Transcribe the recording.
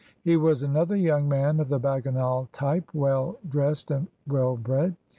He was another young man of the Bagginal type, well dressed, well bred.